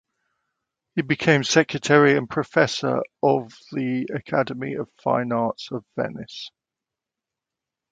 He became secretary and professor of the Academy of Fine Arts of Venice.